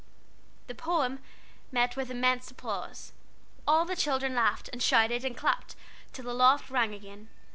The "Poem" met with immense applause; all the children laughed, and shouted, and clapped, till the loft rang again.